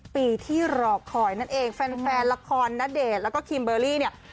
ปีที่รอคอยนั่นเองแฟนละครณเดชน์แล้วก็คิมเบอร์รี่เนี่ย